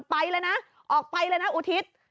ไปเลยนะออกไปเลยนะอุทิศ